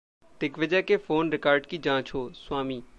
दिग्विजय के phone record की जांच हो: स्वामी